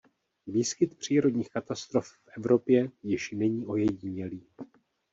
Výskyt přírodních katastrof v Evropě již není ojedinělý.